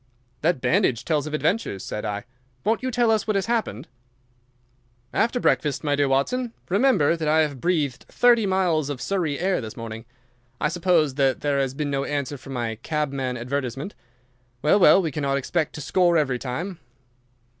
"That bandage tells of adventures," said I. "Won't you tell us what has happened?" "After breakfast, my dear Watson. Remember that I have breathed thirty miles of Surrey air this morning. I suppose that there has been no answer from my cabman advertisement? Well, well, we cannot expect to score every time."